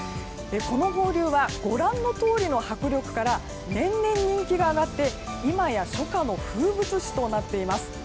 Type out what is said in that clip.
この放流はご覧のとおりの迫力から年々人気が上がって今や初夏の風物詩となっています。